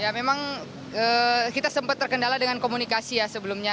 ya memang kita sempat terkendala dengan komunikasi ya sebelumnya